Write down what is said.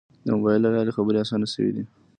د موبایل له لارې خبرې آسانه شوې دي.